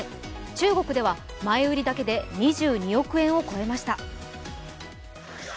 中国では前売りだけで２２億円を超えました。